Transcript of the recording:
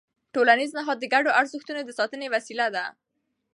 ټولنیز نهاد د ګډو ارزښتونو د ساتنې وسیله ده.